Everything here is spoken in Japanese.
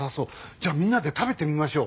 じゃあみんなで食べてみましょう。